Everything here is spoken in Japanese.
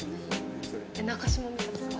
中島美嘉さん